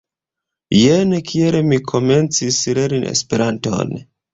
Jen kiel mi komencis lerni Esperanton.